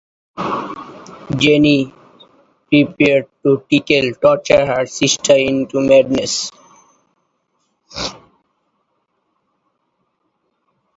Jenny prepared to tickle torture her sister into madness.